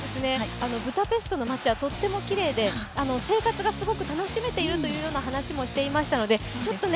ブダペストの街はとってもきれいで生活がすごく楽しめているという話もしていましたのでちょっとね